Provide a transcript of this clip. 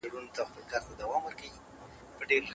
ښایي د ډنډ ترڅنګ د ږدن او مڼې ځای ړنګ سي.